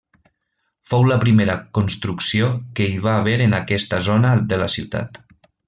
Fou la primera construcció que hi va haver en aquesta zona de la ciutat.